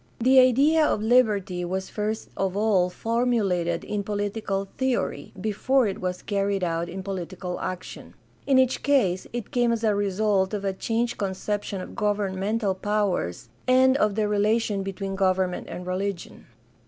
The idea of liberty was first of all formulated in political theory before it was carried out in political action. In each case it came as a result of a changed conception of governmental powers and of the relation between government and religion.